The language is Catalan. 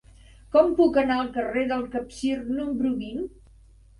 Com puc anar al carrer del Capcir número vint?